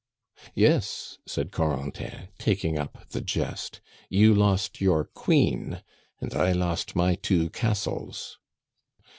"Yes," said Corentin, taking up the jest, "you lost your queen, and I lost my two castles."